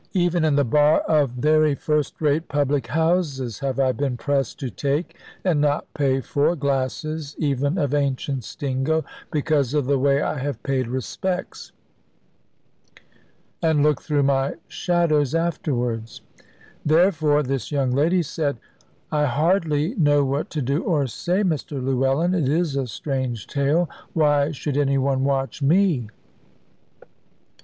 Even in the bar of very first rate public houses have I been pressed to take, and not pay for, glasses even of ancient stingo, because of the way I have paid respects, and looked through my shadows afterwards. Therefore this young lady said, "I hardly know what to do or say. Mr Llewellyn, it is a strange tale. Why should any one watch me?"